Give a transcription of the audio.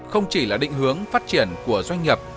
không chỉ là định hướng phát triển của doanh nghiệp